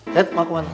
set maku mana